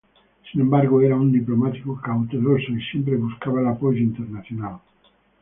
Sin embargo era un diplomático cauteloso y siempre buscaba el apoyo internacional.